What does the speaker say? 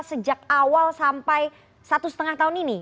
sejak awal sampai satu setengah tahun ini